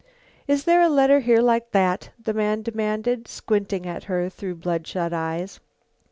"Is there a letter here like that?" the man demanded, squinting at her through blood shot eyes.